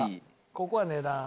ここは値段。